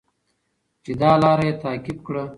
چې دا لاره یې تعقیب کړه.